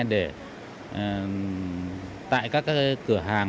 để tại các cửa hàng